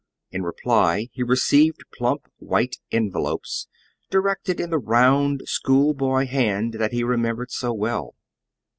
In reply he received plump white envelopes directed in the round, schoolboy hand that he remembered so well.